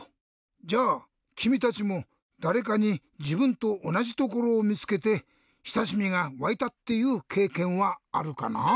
じゃあきみたちもだれかにじぶんとおなじところをみつけてしたしみがわいたっていうけいけんはあるかな？